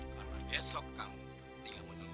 karena besok kamu tinggal menunggu